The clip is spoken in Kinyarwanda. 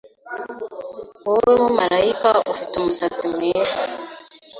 Wowe mumarayika ufite umusatsi mwiza